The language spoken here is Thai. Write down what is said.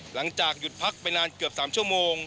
หลังจากหยุดพักไปนานเกือบ๓ชั่วโมง